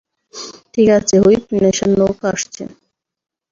ঠিক আছে, হুইপ, নেশার নৌকা আসছে।